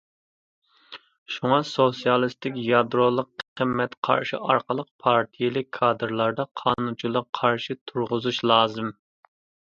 شۇڭا سوتسىيالىستىك يادرولۇق قىممەت قارىشى ئارقىلىق، پارتىيەلىك كادىرلاردا قانۇنچىلىق قارىشى تۇرغۇزۇش لازىم.